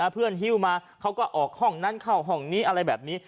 ฮิ้วมาเขาก็ออกห้องนั้นเข้าห้องนี้อะไรแบบนี้